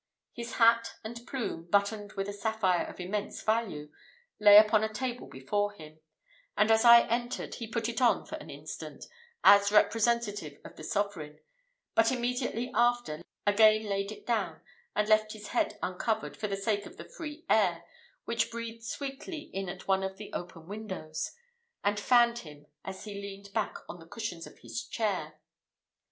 His hat and plume, buttoned with a sapphire of immense value, lay upon a table before him; and as I entered, he put it on for an instant, as representative of the sovereign, but immediately after, again laid it down, and left his head uncovered, for the sake of the free air, which breathed sweetly in at one of the open windows, and fanned him as he leaned back on the cushions of his chair.